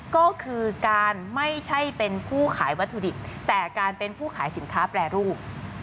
ก็คือการไม่ใช่เป็นผู้ขายวัตถุดิบแต่การเป็นผู้ขายสินค้าแปรรูป